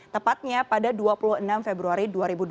tepatnya pada dua puluh enam februari dua ribu dua puluh